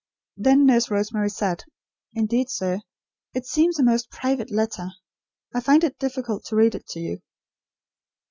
Then Nurse Rosemary said: "Indeed, sir, it seems a most private letter. I find it difficult to read it to you."